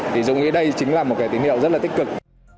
thì dùng ý đây chính là một cái tín hiệu rất là tích cực